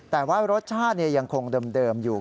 แต่ว่ารสชาติยังคงเดิมอยู่